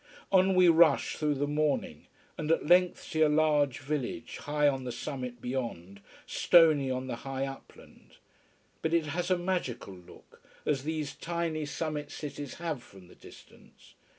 On we rush, through the morning and at length see a large village, high on the summit beyond, stony on the high upland. But it has a magical look, as these tiny summit cities have from the distance.